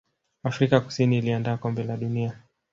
afrika kusini iliandaa kombe la dunia